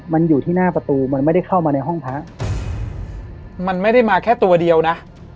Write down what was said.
มันอยู่ที่หน้าประตูมันไม่ได้เข้ามาในห้องพระมันไม่ได้มาแค่ตัวเดียวนะ